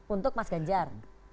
untuk mas ganjar